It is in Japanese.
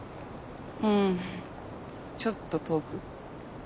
うんちょっと遠く。